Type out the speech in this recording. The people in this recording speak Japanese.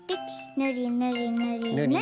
ぬりぬりぬりぬり。